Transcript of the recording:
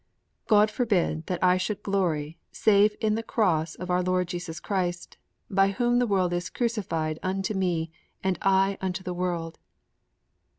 V '_God forbid that I should glory save in the Cross of our Lord Jesus Christ, by whom the world is crucified unto me and I unto the world.